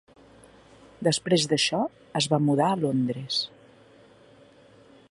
Després d'això, es va mudar a Londres.